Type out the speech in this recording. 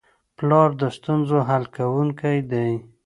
پلار د ستونزو حل کوونکی دی.